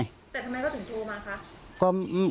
แต่ทำไมเขาถึงโทรมาคะ